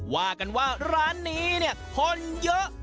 ว่ากันว่าร้านนี้เนี่ยคนเยอะ